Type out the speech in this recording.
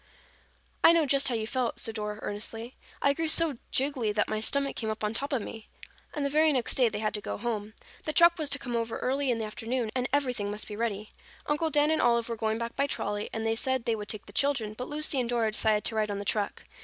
"I know just how you felt," said Dora earnestly. "I grew so jiggly that my stomach came up on top of me." And the very next day they had to go home. The truck was to come over early in the afternoon and everything must be ready. Uncle Dan and Olive were going back by trolley and they said they would take the children, but Lucy and Dora decided to ride on the truck.